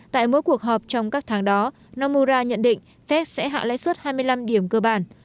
tại mỗi cuộc họp trong các tháng đó namura nhận định phép sẽ hạ lãi suất hai mươi năm điểm cơ bản